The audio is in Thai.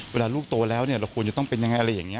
เวลาลูกโตแล้วเราควรจะต้องเป็นอย่างไร